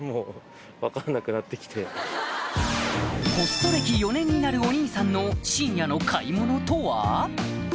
ホスト歴４年になるお兄さんの深夜の買い物とは？